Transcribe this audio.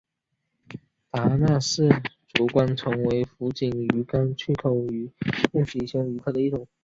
达纳氏烛光鱼为辐鳍鱼纲巨口鱼目褶胸鱼科的其中一种。